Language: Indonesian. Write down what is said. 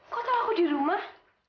kok tahu aku di rumah